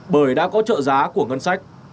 bởi đã có trợ giá của ngân sách